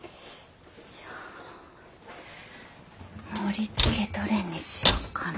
盛りつけどれにしようかな。